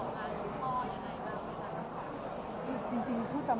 พี่คิดว่าเข้างานทุกครั้งอยู่หรือเปล่า